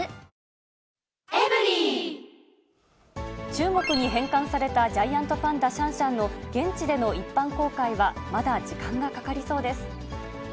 中国に返還されたジャイアントパンダ、シャンシャンの現地での一般公開は、まだ時間がかかりそうです。